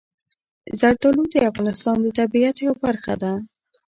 زردالو د افغانستان د طبیعت یوه برخه ده.